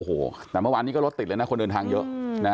โอ้โหแต่เมื่อวานนี้ก็รถติดเลยนะคนเดินทางเยอะ